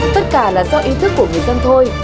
tất cả là do ý thức của người dân thôi